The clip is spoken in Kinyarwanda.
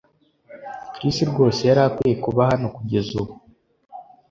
Chris rwose yari akwiye kuba hano kugeza ubu